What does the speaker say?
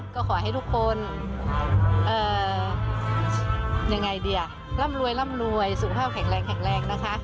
ก็ขอให้ทุกคนยังไงดีอ่ะร่ำรวยร่ำรวยสุขภาพแข็งแรงแข็งแรงนะคะ